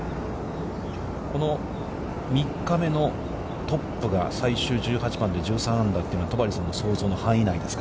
この３日目のトップが最終１８番で１３アンダーは戸張さんの想像の範囲内ですか。